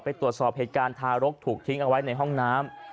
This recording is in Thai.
ตรวจสอบเหตุการณ์ทารกถูกทิ้งเอาไว้ในห้องน้ำ